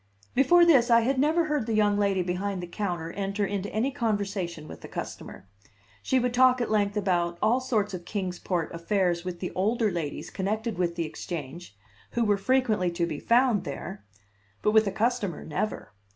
Before this I had never heard the young lady behind the counter enter into any conversation with a customer. She would talk at length about all sorts of Kings Port affairs with the older ladies connected with the Exchange, who were frequently to be found there; but with a customer, never.